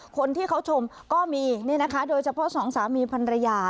คนที่เขาชมก็มีโดยเฉพาะสองสามีภรรยา